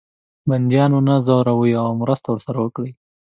بندیان ونه زوروي او مرسته ورسره وکړي.